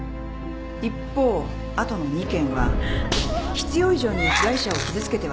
一方あとの２件は必要以上に被害者を傷つけてはいない。